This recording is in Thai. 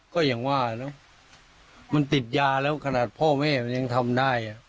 ก็อย่างว่านะมันติดยาแล้วขนาดพ่อแม่มันยังทำได้